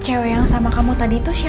cuma ada alamat kantornya